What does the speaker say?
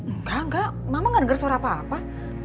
enggak enggak mama gak denger suara apa apa